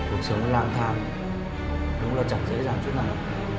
cuộc sống lang thang đúng là chẳng dễ dàng chút nào